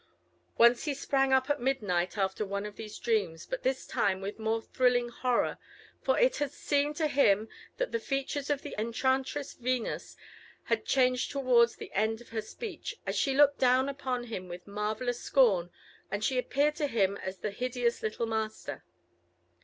Once he sprang up at midnight after one of these dreams, but this time with more thrilling horror; for it had seemed to him that the features of the enchantress Venus had changed towards the end of her speech, as she looked down upon him with marvellous scorn, and she appeared to him as the hideous little Master.